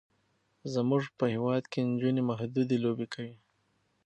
زمونږ په هیواد کې نجونې محدودې لوبې کوي.